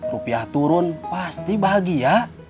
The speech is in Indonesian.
rupiah turun pasti bahagia